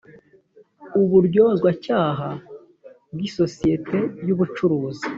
uburyozwacyaha bw isosiyete y ubucuruzi